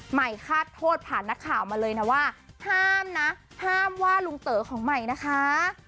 ใหม่คาดโทษผ่านนักข่าวมาเลยนะว่าห้ามนะห้ามว่าลุงเต๋อของใหม่นะคะ